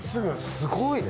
すごいね。